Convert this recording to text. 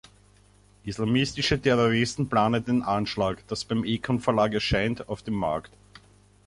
Islamistische Terroristen planen den Anschlag“, das beim Econ Verlag erscheint, auf dem Markt.